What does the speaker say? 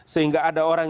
sehingga ada orang